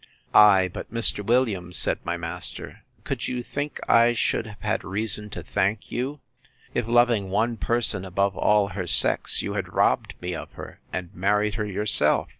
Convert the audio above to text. Ay, but Mr. Williams, said my master, could you think I should have had reason to thank you, if, loving one person above all her sex, you had robbed me of her, and married her yourself?